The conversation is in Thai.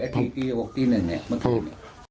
ที๕ที๖ที๑เมื่อคืน